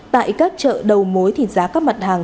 tại các chợ đầu mối thì giá các mặt hàng